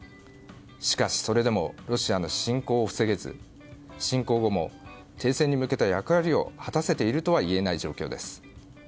しかしそれでもロシアの侵攻を防げず侵攻後も、停戦に向けた役割を果たせているとはいえない状況です。